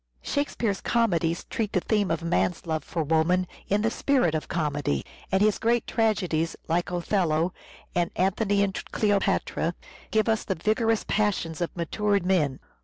Shakespeare's comedies treat the theme of man's love for woman in the spirit of comedy ; and his great tragedies like " Othello " and " Antony and Cleopatra," give us the vigorous passions of matured men.